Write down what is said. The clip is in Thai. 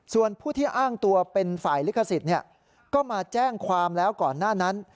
ส่วนผู้ที่อ้างตัวเป็นฝ่ายลิขสิทธิ์ก็มาแจ้งความแล้วก่อนหน้านั้น